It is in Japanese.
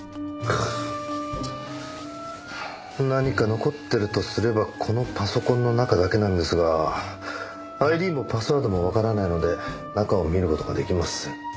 何か残ってるとすればこのパソコンの中だけなんですがＩＤもパスワードもわからないので中を見る事が出来ません。